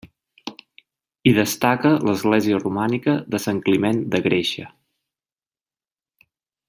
Hi destaca l'església romànica de Sant Climent de Gréixer.